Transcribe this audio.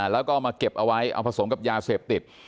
แล้วก็มาเก็บเอาไว้เอาผสมกับยาเสพติด